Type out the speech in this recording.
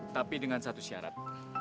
tapi dengan satu syarat